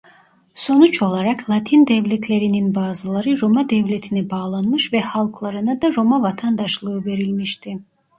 Sonuç olarak Latin devletlerinin bazıları Roma devletine bağlanmış ve halklarına da Roma vatandaşlığı verilmişti.